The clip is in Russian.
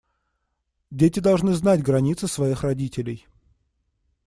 Дети должны знать границы своих родителей.